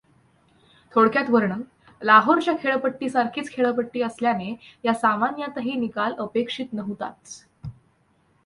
थोडक्यात वर्णन लाहोरच्या खेळपट्टी सारखीच खेळपट्टी असल्याने या सामन्यातही निकाल अपेक्षित नव्हताच.